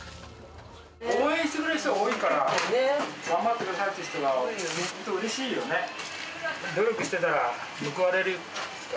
応援してくれる人が多いから、頑張ってくださいっていう人が。